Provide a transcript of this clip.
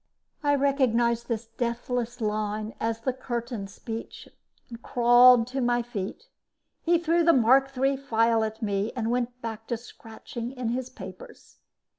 I recognized this deathless line as the curtain speech and crawled to my feet. He threw the Mark III file at me and went back to scratching in his papers.